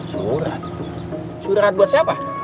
surat surat buat siapa